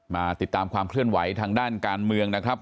มาติดตามความเคลื่อนไหวทางด้านการเมืองนะครับ